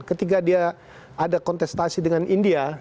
ketika dia ada kontestasi dengan india